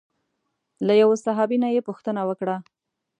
له یوه صحابي نه یې پوښتنه وکړه.